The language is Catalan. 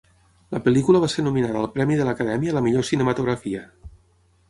La pel·lícula va ser nominada al Premi de l'Acadèmia a la millor cinematografia.